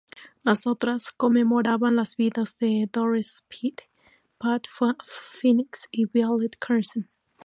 Las otras conmemoraban las vidas de Doris Speed, Pat Phoenix y Violet Carson.